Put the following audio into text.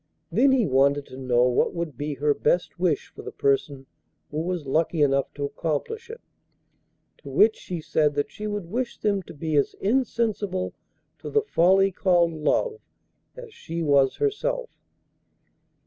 Then he wanted to know what would be her best wish for the person who was lucky enough to accomplish it. To which she said that she would wish them to be as insensible to the folly called 'love' as she was herself!